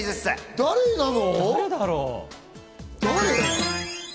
誰なの？